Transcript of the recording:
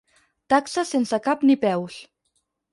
Taxes sense cap ni peus.